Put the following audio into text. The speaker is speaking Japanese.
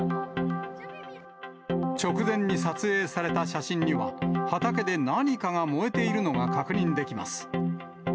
直前に撮影された写真には、畑で何かが燃えているのが確認できます。